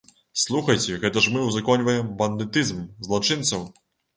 Слухайце, гэта ж мы ўзаконьваем бандытызм, злачынцаў!